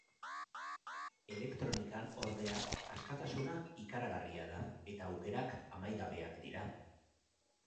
Elektronikan, ordea, askatasuna ikaragarria da, eta aukerak amaigabeak dira.